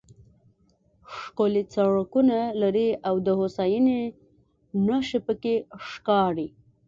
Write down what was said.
ښکلي سړکونه لري او د هوساینې نښې پکې ښکاري.